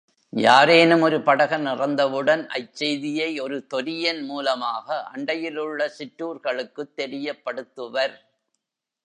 யாரேனும் ஒரு படகன் இறந்தவுடன் அச்செய்தியை ஒரு தொரியன் மூலமாக அண்டையிலுள்ள சிற்றூர்களுக்குத் தெரியப்படுத்துவர்.